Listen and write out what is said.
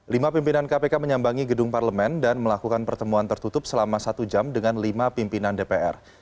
lima pimpinan kpk menyambangi gedung parlemen dan melakukan pertemuan tertutup selama satu jam dengan lima pimpinan dpr